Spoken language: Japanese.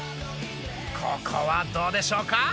ここはどうでしょうか？